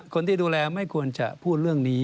คนที่ดูแลไม่ควรจะพูดเรื่องนี้